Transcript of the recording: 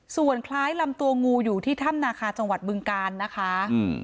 ส่วนคล้ายลำตัวงูอยู่ที่ถ้ำนาคาจังหวัดบึงกาลนะคะอืม